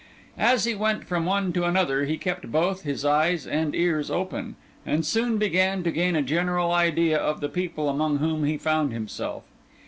As he went from one to another he kept both his eyes and ears open, and soon began to gain a general idea of the people among whom he found himself.